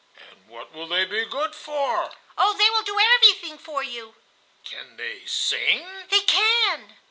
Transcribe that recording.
"And what will they be good for?" "Oh, they will do everything for you!" "Can they sing?" "They can."